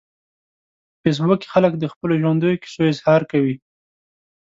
په فېسبوک کې خلک د خپلو ژوندیو کیسو اظهار کوي